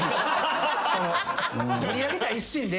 盛り上げたい一心で。